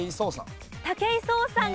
武井壮さん。